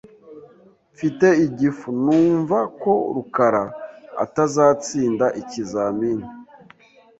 Mfite igifu numva ko rukara atazatsinda ikizamini .